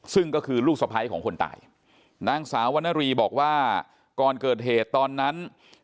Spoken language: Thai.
ซึ่งก็คือลูกสะพ้ายของคนตายนางสาววรรณรีบอกว่าก่อนเกิดเหตุตอนนั้น